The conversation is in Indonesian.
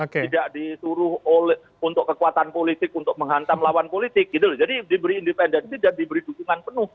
tidak disuruh untuk kekuatan politik untuk menghantam lawan politik gitu loh jadi diberi independensi dan diberi dukungan penuh